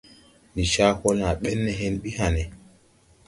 Ndi caa hɔɔle ma bɛn ne hen bi hãne.